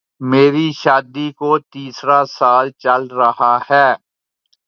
میری شادی کو تیسرا سال چل رہا ہے